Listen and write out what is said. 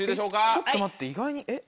ちょっと待って意外にえっ？